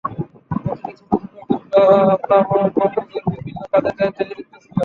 প্রতিটি ছোট ছোট গোত্র, তাঁবু গম্বুজের বিভিন্ন কাজের দায়িত্বে নিযুক্ত ছিল।